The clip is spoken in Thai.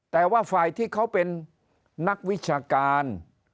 แต่ว่าฝ่ายที่เขาเป็นนักวิชาการ